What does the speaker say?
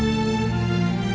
aku mau ke sana